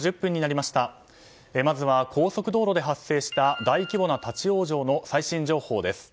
まずは高速道路で発生した大規模な立ち往生の最新情報です。